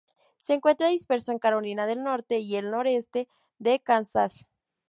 Se encuentra disperso en Carolina del Norte y el noreste de Kansas.